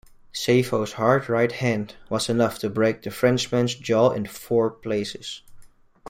Sefo's hard right hand was enough to break the Frenchmans jaw in four places.